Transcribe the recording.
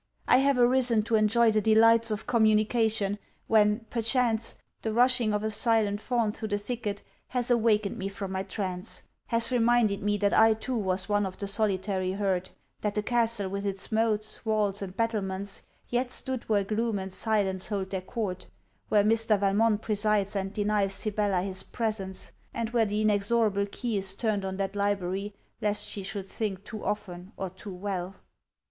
I have arisen to enjoy the delights of communication: when, perchance, the rushing of a silent fawn through the thicket has awakened me from my trance; has reminded me that I too was one of the solitary herd; that the castle with its moats, walls, and battlements yet stood where gloom and silence hold their court, where Mr. Valmont presides and denies Sibella his presence, and where the inexorable key is turned on that library lest she should think too often or too well.